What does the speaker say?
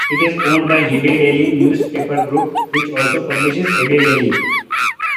It is owned by Hebei Daily Newspaper Group, which also publishes "Hebei Daily".